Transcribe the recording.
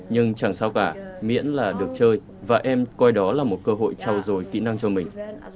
nhưng chẳng sao cả miễn là được chơi và em coi đó là một cơ hội trao dồi kỹ năng cho mình